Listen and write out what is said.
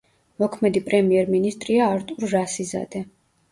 მოქმედი პრემიერ-მინისტრია არტურ რასიზადე.